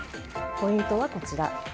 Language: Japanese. ポイントはこちら。